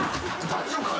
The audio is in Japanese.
大丈夫か？